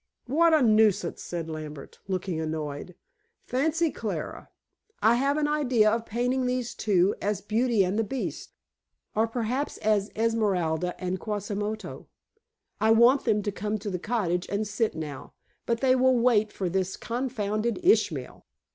"What a nuisance," said Lambert, looking annoyed. "Fancy, Clara. I have an idea of painting these two as Beauty and the Beast, or perhaps as Esmeralda and Quasimodo. I want them to come to the cottage and sit now, but they will wait for this confounded Ishmael."